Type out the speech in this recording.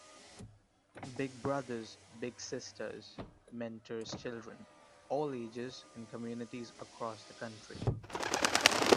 Big Brothers Big Sisters mentors children, all ages in communities across the country.